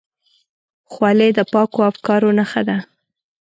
خولۍ د پاکو افکارو نښه ده.